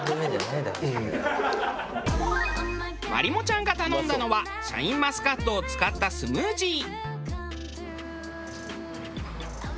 まりもちゃんが頼んだのはシャインマスカットを使ったスムージー。